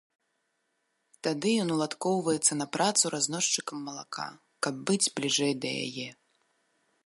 Тады ён уладкоўваецца на працу разносчыкам малака, каб быць бліжэй да яе.